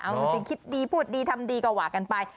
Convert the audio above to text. เอาจริงคิดดีพูดดีทำดีกว่ากันไป